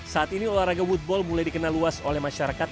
saat ini olahraga woodball mulai dikenal luas oleh masyarakat